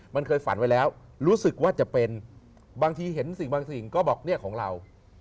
มันเคยฝันไว้แล้วรู้สึกว่าจะเป็นบางทีเห็นสิ่งบางสิ่งก็บอกเนี่ยของเรา